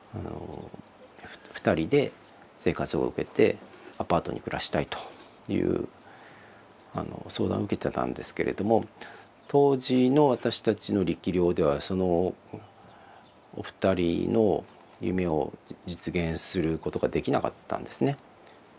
ふたりで生活保護を受けてアパートに暮らしたいという相談を受けてたんですけれども当時の私たちの力量ではそのお二人の夢を実現することができなかったんですね。